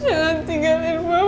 jangan tinggalin kamu dimana